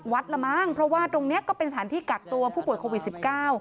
ละมั้งเพราะว่าตรงเนี้ยก็เป็นสถานที่กักตัวผู้ป่วยโควิดสิบเก้า